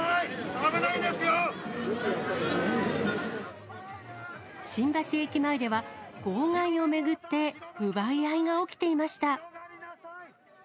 危ないで新橋駅前では、号外を巡って奪い合いが起きていました。